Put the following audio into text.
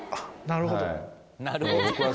「なるほど」。